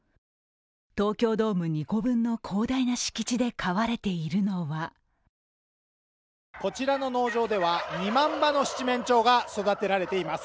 東京ドーム２個分の広大な敷地で飼われているのはこちらの農場では２万羽の七面鳥が育てられています。